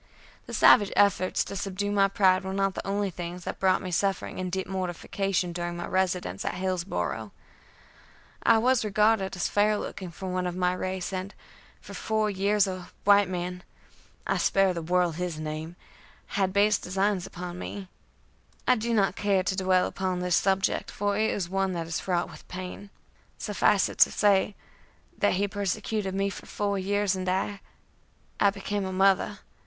The savage efforts to subdue my pride were not the only things that brought me suffering and deep mortification during my residence at Hillsboro'. I was regarded as fair looking for one of my race, and for four years a white man I spare the world his name had base designs upon me. I do not care to dwell upon this subject, for it is one that is fraught with pain. Suffice it to say, that he persecuted me for four years, and I I became a mother.